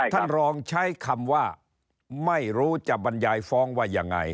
ท่านรองใช้คำว่าไม่รู้จะบรรยายฟ้องว่ายังไง